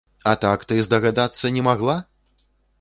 А так ты здагадацца не магла?!